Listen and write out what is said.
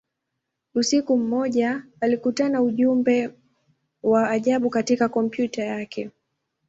Usiku mmoja, alikutana ujumbe wa ajabu katika kompyuta yake.